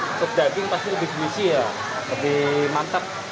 untuk daging pasti lebih gisi ya lebih mantap